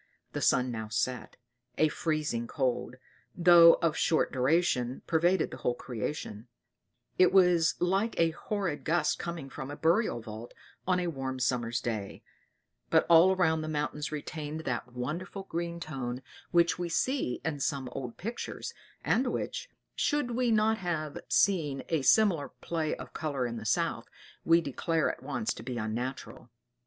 The sun now set: a freezing cold, though of short duration pervaded the whole creation; it was like a horrid gust coming from a burial vault on a warm summer's day but all around the mountains retained that wonderful green tone which we see in some old pictures, and which, should we not have seen a similar play of color in the South, we declare at once to be unnatural.